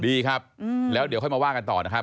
ดีครับแล้วเดี๋ยวค่อยมาว่ากันต่อนะครับ